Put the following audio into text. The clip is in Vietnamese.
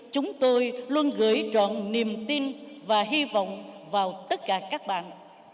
chúng tôi luôn gửi trọn niềm tin và hy vọng vào tất cả các bạn